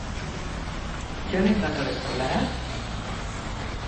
Jon ez dator eskolara?